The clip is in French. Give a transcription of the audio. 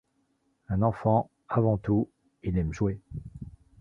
Un enfant, avant tout, il aime jouer.